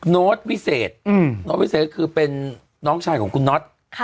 โน้ตวิเศษโน้ตวิเศษคือเป็นน้องชายของคุณน็อต